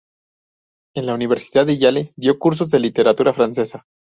En la Universidad de Yale dio cursos de literatura francesa.